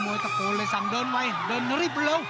มาตบเฉียงเห้ลูกนี้